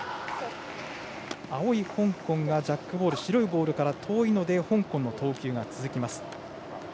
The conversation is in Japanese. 青い香港がジャックボール、白いボールから遠いので香港の投球が続きます。